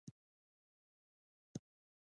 جګړه انسان له خپل ژوند ستړی کوي